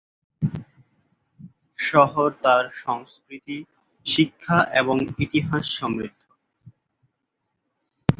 শহর তার সংস্কৃতি, শিক্ষা এবং ইতিহাস সমৃদ্ধ।